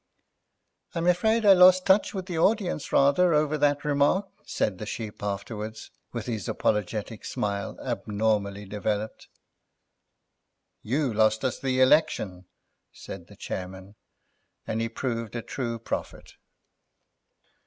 "I'm afraid I lost touch with the audience rather over that remark," said the Sheep afterwards, with his apologetic smile abnormally developed. "You lost us the election," said the chairman, and he proved a true prophet.